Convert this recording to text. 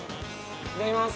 いただきます！